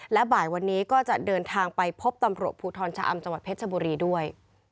และบ่ายวันนี้ก็จะเดินทางไปพบตำรวจภูทรชะอำจังหวัดเพชรบุรีด้วย